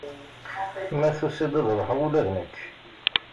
Ma tusa-d, ad ruḥeɣ ula d nekk.